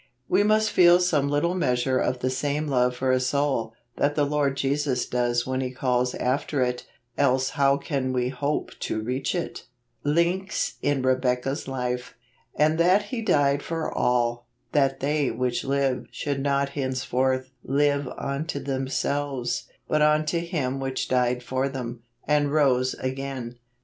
We must feel some little measure of the same love for a soul, that the Lord Jesus does when He calls after it, else how can we hope to reach it ? Links In Rebecca's Life. "And that He died for all, that they which live should not henceforth live unto themselves, but unto Him which died for them, and rose again